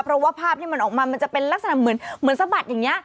เพราะว่าภาพที่มันออกมามันจะเป็นลักษณะเหมือนสะบัดอย่างนี้